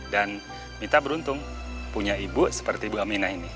dan mita beruntung punya ibu seperti bu aminah ini